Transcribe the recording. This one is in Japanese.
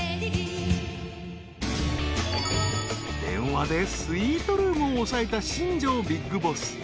［電話でスイートルームを押さえた新庄ビッグボス］